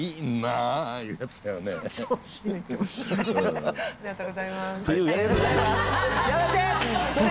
ありがとうございます。